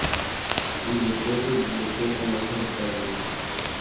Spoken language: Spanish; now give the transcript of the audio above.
Ludoteca y Biblioteca Lázaro Cárdenas.